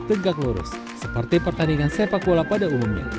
tegak lurus seperti pertandingan sepak bola pada umumnya